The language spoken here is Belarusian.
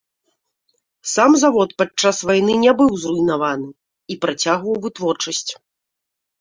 Сам завод падчас вайны не быў зруйнаваны і працягваў вытворчасць.